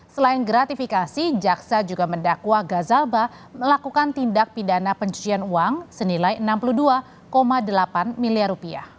selain gratifikasi jaksa juga mendakwa gazalba melakukan tindak pidana pencucian uang senilai rp enam puluh dua delapan miliar